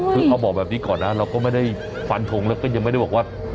คือเอาบอกแบบนี้ก่อนนะเราก็ไม่ได้ฟันทงแล้วก็ยังไม่ได้บอกว่า